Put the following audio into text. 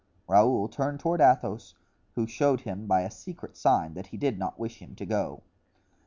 Raoul turned toward Athos, who showed him by a secret sign that he did not wish him to go.